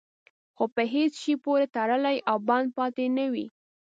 خو په هېڅ شي پورې تړلی او بند پاتې نه وي.